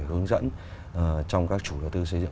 hướng dẫn trong các chủ đầu tư xây dựng